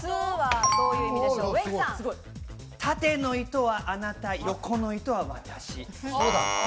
縦の糸はあなた、横の糸は私。